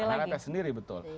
betul karena ada tes sendiri betul